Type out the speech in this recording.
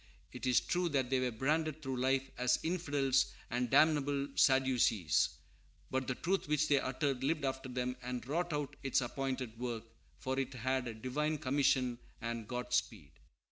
It is true they were branded through life as infidels and "damnable Sadducees;" but the truth which they uttered lived after them, and wrought out its appointed work, for it had a Divine commission and Godspeed.